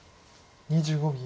２５秒。